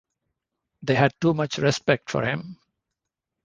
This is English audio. They had too much respect for him.